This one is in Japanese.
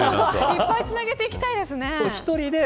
いっぱいつなげていきたいですね。